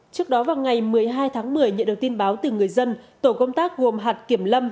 trước đó vào ngày một mươi hai tháng một mươi nhận được tin báo từ người dân tổ công tác gồm hạt kiểm lâm